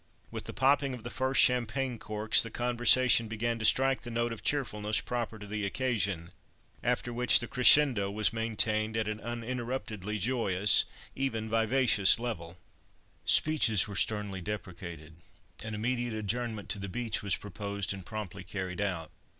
With the popping of the first champagne corks, the conversation began to strike the note of cheerfulness proper to the occasion, after which the "crescendo" was maintained at an uninterruptedly joyous, even vivacious level. Speeches were sternly deprecated; an immediate adjournment to the beach was proposed and promptly carried out.